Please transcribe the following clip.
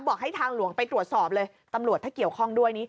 บอกให้ทางหลวงไปตรวจสอบเลยตำรวจถ้าเกี่ยวข้องด้วยนี้